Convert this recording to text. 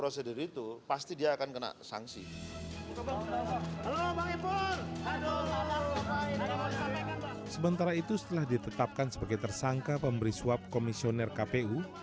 sementara itu setelah ditetapkan sebagai tersangka pemberi suap komisioner kpu